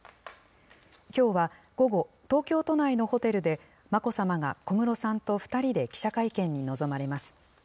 きょうは午後、東京都内のホテルで、眞子さまが小室さんと２人で記者会見に臨まれます。